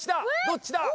どっちだ！？